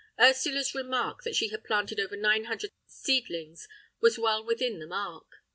Ursula's remark that she had planted over nine hundred seedlings was well within the mark.